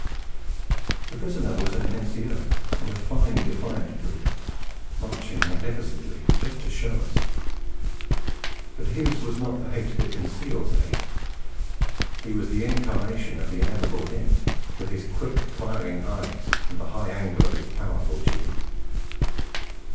The prisoner was an N.C.O., and a fine defiant brute, marching magnificently just to show us. But his was not the hate that conceals hate; he was the incarnation of the ineffable hymn, with his quick firing eyes and the high angle of his powerful chin.